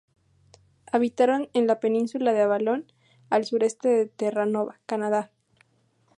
Habitaron en la península de Avalon al sureste de Terranova, Canadá.